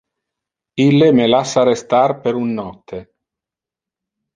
Ille me lassa restar per un nocte.